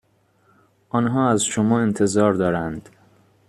آنها از شما انتظار دارند